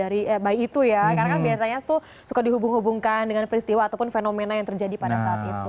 karena kan biasanya suka dihubung hubungkan dengan peristiwa ataupun fenomena yang terjadi pada saat itu